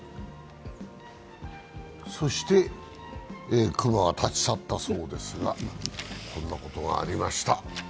そして熊は立ち去ったそうですが、こんなことがありました。